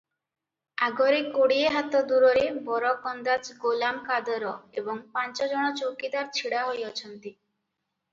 ଆଗରେ କୋଡ଼ିଏ ହାତ ଦୂରରେ ବରକନ୍ଦାଜ ଗୋଲାମ କାଦର ଏବଂ ପାଞ୍ଚଜଣ ଚୌକିଦାର ଛିଡ଼ା ହୋଇଅଛନ୍ତି ।